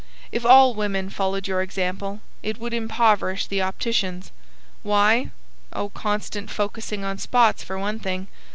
If all women followed your example it would impoverish the opticians. Why? Oh, constant focussing on spots, for one thing.